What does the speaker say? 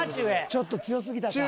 ちょっと強すぎたか。